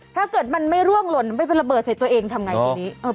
ถ้าเกิดมันไม่ร่วงหล่นไม่เป็นระเบิดใส่ตัวเองทำไงทีนี้